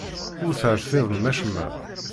Ur terfidem acemma.